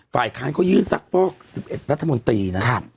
ฝ่ายค้านเขายื่นซักฟอก๑๑รัฐมนตรีนะ